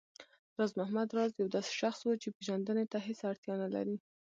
راز محمد راز يو داسې شخص و چې پېژندنې ته هېڅ اړتيا نه لري